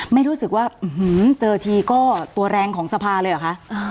ไม่รู้สึกว่าเจอทีก็ตัวแรงของสภาเลยเหรอคะ